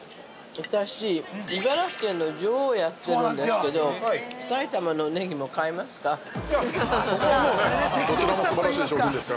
◆私、茨城県の女王をやってるんですけど埼玉のネギも買いますか。